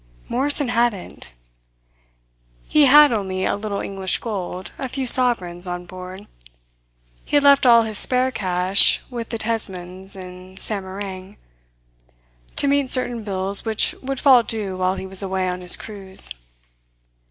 Morrison hadn't. He had only a little English gold, a few sovereigns, on board. He had left all his spare cash with the Tesmans, in Samarang, to meet certain bills which would fall due while he was away on his cruise.